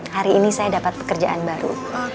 hari ini saya dapat pekerjaan baru